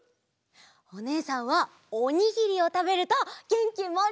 おねえさんはおにぎりをたべるとげんきもりもりになるよ！